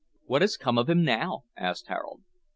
"What has come of him now?" asked Harold.